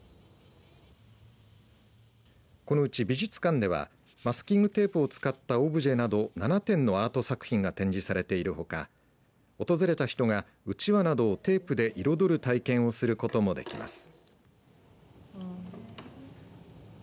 このうち美術館ではマスキングテープを使ったオブジェなど７点のアート作品が展示されているほか訪れた人がうちわなどをテープで彩る体験をすることもできます。